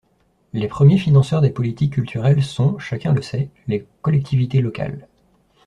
Les premiers financeurs des politiques culturelles sont, chacun le sait, les collectivités locales.